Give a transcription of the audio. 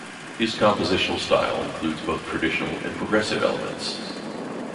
His compositional style includes both traditional and progressive elements.